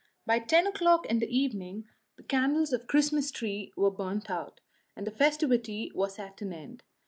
By ten o'clock in the evening the candles of the Christmas tree were burnt out, and the festivity was at an end.